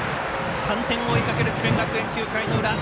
３点追いかける智弁学園、９回の裏。